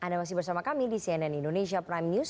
anda masih bersama kami di cnn indonesia prime news